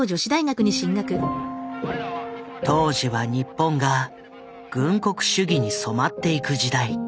当時は日本が軍国主義に染まっていく時代。